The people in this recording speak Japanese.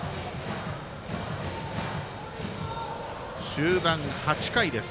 終盤８回です。